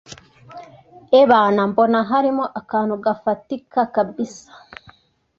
Ebana mbona harimo akantu gafatika kabisa